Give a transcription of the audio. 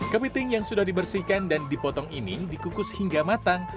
kepiting yang sudah dibersihkan dan dipotong ini dikukus hingga matang